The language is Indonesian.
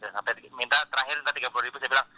sampai minta terakhir minta tiga puluh ribu saya bilang